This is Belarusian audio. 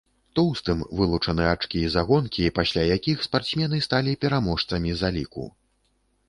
Тоўстым вылучаны ачкі за гонкі, пасля якіх спартсмены сталі пераможцамі заліку.